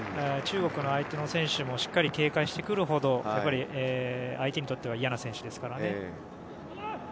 中国、相手の選手もしっかり警戒してくるほどやっぱり、相手にとっては嫌な選手ですからね。